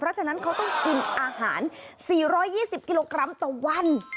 เพราะฉะนั้นเขาต้องกินอาหาร๔๒๐กิโลกรัมต่อวัน